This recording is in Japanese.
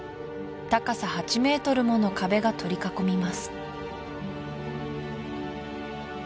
高さ８ｍもの壁が取り囲みます